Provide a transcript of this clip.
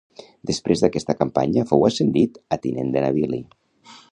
Després d'aquesta campanya fou ascendit a tinent de navili.